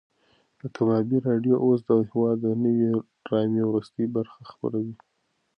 د کبابي راډیو اوس د هېواد د نوې ډرامې وروستۍ برخه خپروي.